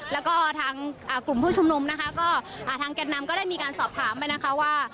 แล้วก็ทางกลุ่มผู้ชุมนุมนะคะก็ทางแก่นนำก็ได้มีการสอบถามไปนะคะว่า